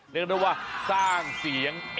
เพราะว่าสร้างเสียงเอก